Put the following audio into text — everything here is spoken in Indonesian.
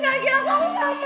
mami mau kaki aku disebutkan